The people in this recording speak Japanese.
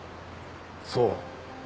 そう。